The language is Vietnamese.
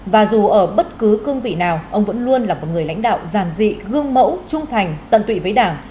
và dù ở bất cứ cương vị nào ông vẫn luôn là một người lãnh đạo giản dị gương mẫu trung thành tận tụy với đảng